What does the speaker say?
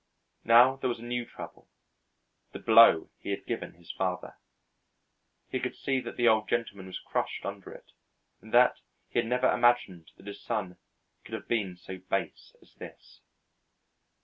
Now there was a new trouble: the blow he had given his father. He could see that the Old Gentleman was crushed under it, and that he had never imagined that his son could have been so base as this.